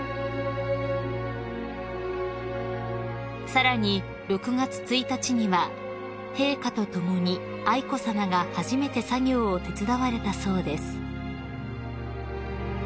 ［さらに６月１日には陛下と共に愛子さまが初めて作業を手伝われたそうです］